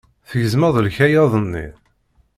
Tgezmeḍ lkaɣeḍ-nni?